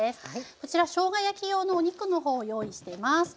こちらしょうが焼き用のお肉の方を用意しています。